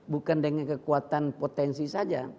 bukan dengan kekuatan potensi saja